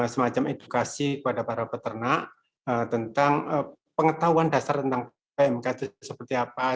semacam edukasi kepada para peternak tentang pengetahuan dasar tentang pmk itu seperti apa